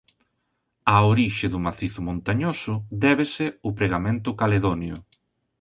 A orixe do macizo montañoso débese ao pregamento caledonio.